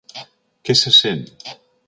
Què se sent?